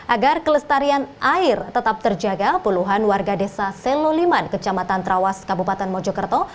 agar kelestarian air tetap terjaga puluhan warga desa seloliman kecamatan trawas kabupaten mojokerto